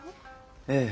ええ。